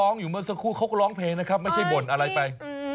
อยู่เมื่อสักครู่เขาก็ร้องเพลงนะครับไม่ใช่บ่นอะไรไป